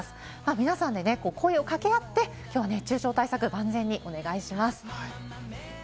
皆さんで声を掛け合って、きょうは熱中症対策を万全にお願いします。